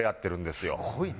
すごいな。